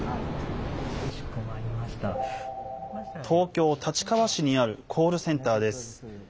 東京・立川市にあるコールセンターです。